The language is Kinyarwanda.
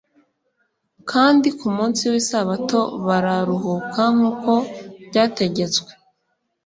"kandi ku munsi w'isabato bararuhuka nk'uko byategetswe.'°"